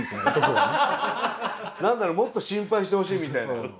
何だろうもっと心配してほしいみたいな。